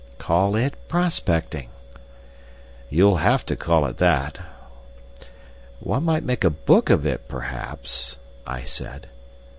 "Call it prospecting." "You'll have to call it that.... One might make a book of it perhaps," I said.